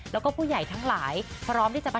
และผู้ใหญ่ทั้งหลายพร้อมที่จะพัฒนา